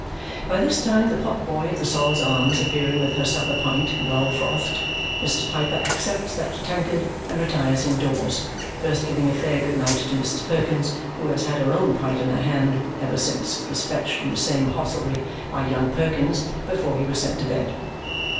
By this time the pot boy of the Sol's Arms appearing with her supper pint well frothed, Mrs. Piper accepts that tankard and retires indoors, first giving a fair good night to Mrs. Perkins, who has had her own pint in her hand ever since it was fetched from the same hostelry by young Perkins before he was sent to bed.